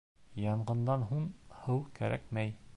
Янғындан һуң һыу кәрәкмәй.